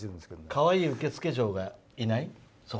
かわいい受付嬢がいない？